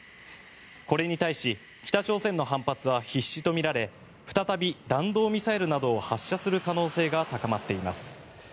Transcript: これに対し、北朝鮮の反発は必至とみられ再び弾道ミサイルなどを発射する可能性が高まっています。